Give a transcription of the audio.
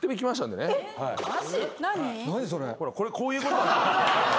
これこういうこと。